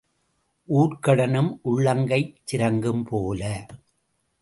ஊர்க்கடனும் உள்ளங்கைச் சிரங்கும் போல.